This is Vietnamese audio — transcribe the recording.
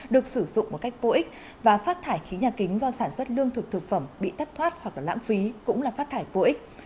được sử dụng một cách vô ích và phát thải khí nhà kính do sản xuất lương thực thực phẩm bị thất thoát hoặc lãng phí cũng là phát thải vô ích